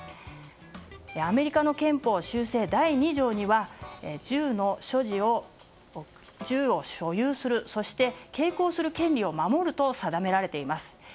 アメリカの憲法修正第２条には銃を所有するそして携行する権利を守ると定められています。